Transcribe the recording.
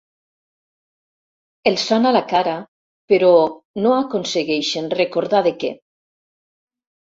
Els sona la cara, però no aconsegueixen recordar de què.